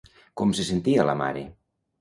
Com se sentia la mare?